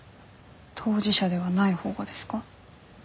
当事者ではない方がですか？